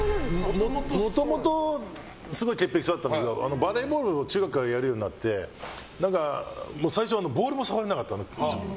もともとすごい潔癖症だったんだけどバレーボールを中学からやるようになって最初、ボールも触れなかった。